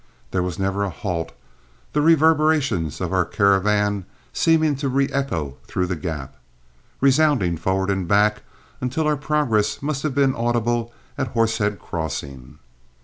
There was never a halt, the reverberations of our caravan seeming to reëcho through the Gap, resounding forward and back, until our progress must have been audible at Horsehead Crossing.